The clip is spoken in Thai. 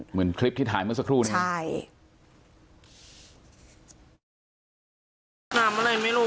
เหมือนคลิปที่ถ่ายเมื่อสักครู่นี้ใช่